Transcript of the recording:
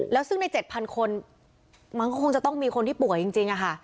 แล้วซึ่งใน๗๐๐คนมันก็คงจะต้องมีคนที่ป่วยจริงค่ะ